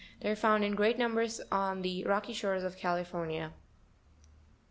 They are found in great num bers on the rocky shores of California.